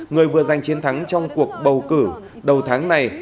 người vừa giành chiến thắng trong cuộc bầu cử đầu tháng này